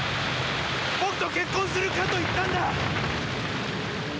僕と結婚するかと言ったんだ！